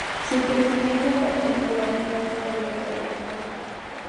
Su crecimiento es bastante rápido en tierras cálidas.